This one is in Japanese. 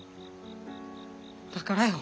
だからよ。